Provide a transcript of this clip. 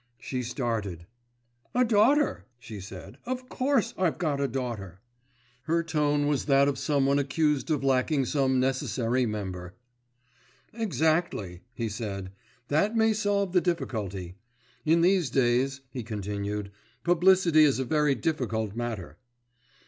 She started. "A daughter!" she said. "Of course I've got a daughter." Her tone was that of someone accused of lacking some necessary member. "Exactly," he said. "That may solve the difficulty. In these days," he continued, "publicity is a very difficult matter."